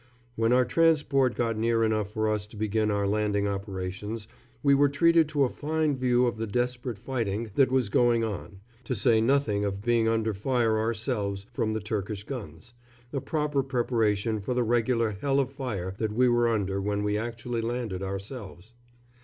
When our transport got near enough for us to begin our landing operations we were treated to a fine view of the desperate fighting that was going on, to say nothing of being under fire ourselves from the Turkish guns, a proper preparation for the regular hell of fire that we were under when we actually landed ourselves.